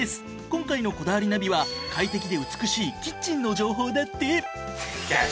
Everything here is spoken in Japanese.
今回の『こだわりナビ』は快適で美しいキッチンの情報だって。